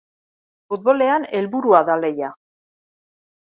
Futbolean, helburua da lehia.